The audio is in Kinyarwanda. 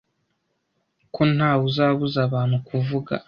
ko ntawe uzabuza abantu kuvuga